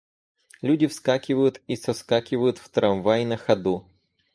Люди вскакивают и соскакивают в трамвай на ходу.